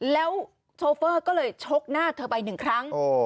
แล้วโชเฟอก็เลยชกหน้าเธอไป๑ครั้ง